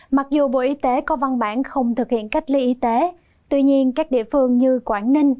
mặc dù bộ y tế có văn bản không thực hiện cách ly y tế tuy nhiên các địa phương như quảng ninh